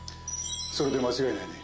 それで間違いないね。